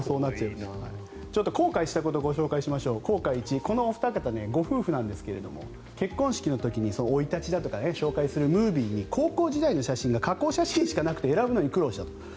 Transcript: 後悔したことご紹介しましょう後悔１、このお二人はご夫婦なんですが結婚式の時に生い立ちだとか紹介するムービーに高校時代の写真が加工写真しかなくて後悔したと。